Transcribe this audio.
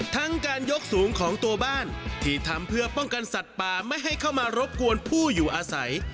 ทั้งการยกสูงของตัวบ้านที่ทำเพื่อป้องกันสัตว์ป่าไม่ให้เข้ามารบกวนผู้อยู่อาศัย